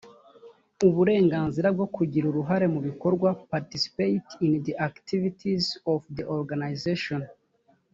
uburenganzira bwo kugira uruhare mu bikorwa participate in the activities of the organization